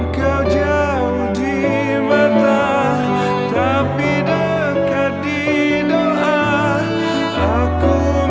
tegih ya pak